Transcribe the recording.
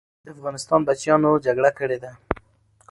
د افغانستان بچیانو جګړه کړې ده.